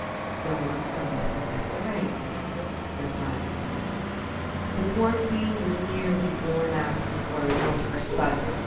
"No one unless a masquerader," replied the queen. The poor queen was nearly worn out with worry over her son.